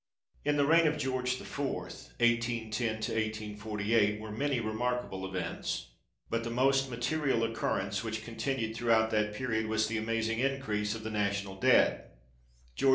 In the reign of George IV. (1810 1848) were many remarkable events, but the most material occurrence, which continued throughout that period, was the amaz ing increase of the National Debt. George V.